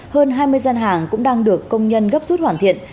hơn hai mươi gian hàng cũng đang được công nhân gấp rút hoàn thiện